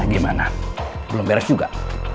gimana belum beres juga